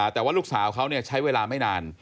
แต่ว่าลูกสาวเขาใช้เวลาไม่นาน